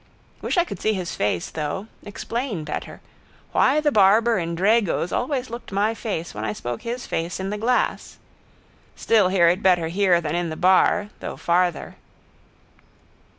Wish I could see his face, though. Explain better. Why the barber in Drago's always looked my face when I spoke his face in the glass. Still hear it better here than in the bar though farther.